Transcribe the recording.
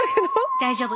大丈夫。